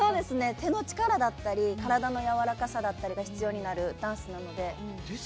手の力だったり体の柔らかさだったりが必要になるダンスなので。